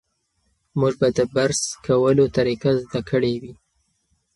موږ به د برس کولو طریقه زده کړې وي.